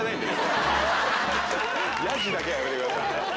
・ヤジだけはやめてください。